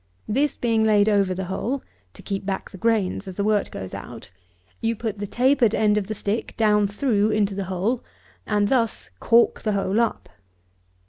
This being laid over the hole (to keep back the grains as the wort goes out,) you put the tapered end of the stick down through into the hole, and thus cork the hole up.